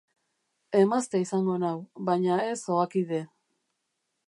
Emazte izango nau, baina ez ohakide.